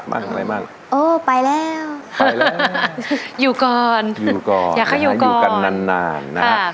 อยู่ก่อนอยากให้อยู่ก่อนอยากให้อยู่กันนานนานนะครับ